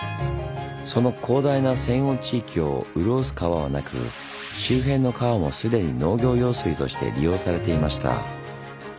その広大な扇央地域を潤す川はなく周辺の川もすでに農業用水として利用されていました。